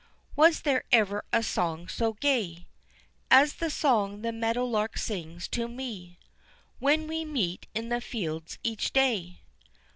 _" Was there ever a song so gay, As the song the meadow lark sings to me When we meet in the fields each day?